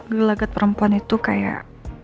gelagat perempuan itu kayak